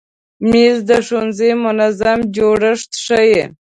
مېز د ښوونځي منظم جوړښت ښیي.